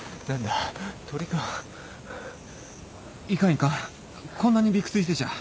いかんいかんこんなにビクついてちゃ